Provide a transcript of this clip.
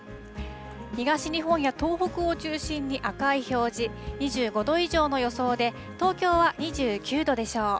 東日本や東北を中心に赤い表示、２５度以上の予想で、東京は２９度でしょう。